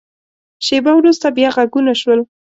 شیبه وروسته، بیا غږونه شول.